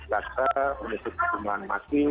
jasa untuk pertimbangan mati